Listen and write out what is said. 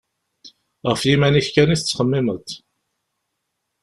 Γef yiman-ik kan i tettxemmimeḍ.